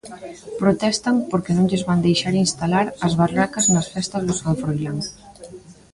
Protestan porque non lles van deixar instalar as barracas nas festas do San Froilán.